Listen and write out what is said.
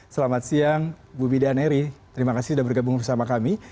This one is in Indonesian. selamat siang bu bidan eri terima kasih sudah bergabung bersama kami